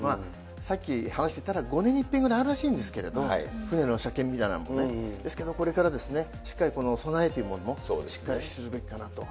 さっき話していたら、５年にいっぺんぐらいあるらしいんですけど、船の車検みたいなものもね、ですけど、これからしっかり備えというものも、しっかりするべきかなと。